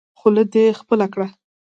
خوله دې خپله کړه.